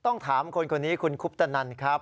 ต้องถามคนคนนี้คุณคุปตนันครับ